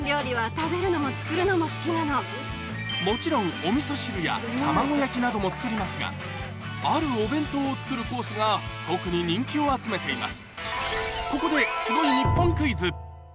もちろんなども作りますがあるお弁当を作るコースが特に人気を集めています